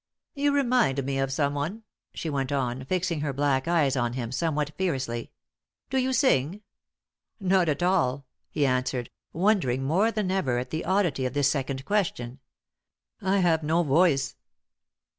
"You remind me of someone," she went on, fixing her black eyes on him somewhat fiercely. "Do you sing?" "Not at all," he answered, wondering more than ever at the oddity of this second question. "I have no voice."